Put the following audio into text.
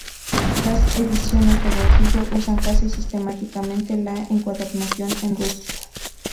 Las ediciones de bolsillo usan casi sistemáticamente la encuadernación en rústica.